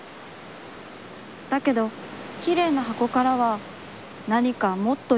「だけど、きれいな箱からは、何かもっといいものが出てこなくちゃ」